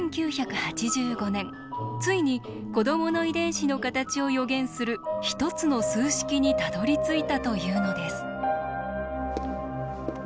１９８５年ついに子どもの遺伝子の形を予言する一つの数式にたどりついたというのです。